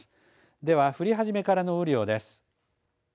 では、降り始めからの雨量です。